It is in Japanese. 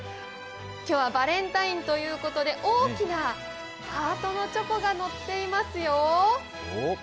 今日はバレンタインということで大きなハートのチョコがのっていますよ。